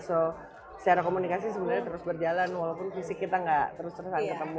jadi secara komunikasi sebenarnya terus berjalan walaupun fisik kita enggak terus terusan ketemu